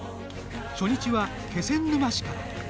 初日は、気仙沼市から。